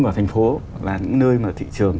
vào thành phố là những nơi mà thị trường